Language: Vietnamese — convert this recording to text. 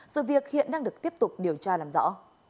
sự việc hiện đang được tiếp tục điều tra làm rõ